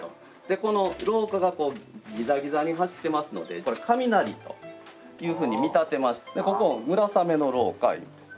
この廊下がこうギザギザに走ってますので雷というふうに見立てましてここを「村雨の廊下」と言う。